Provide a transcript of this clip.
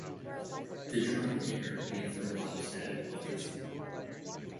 The dry air made for a lot of static electricity.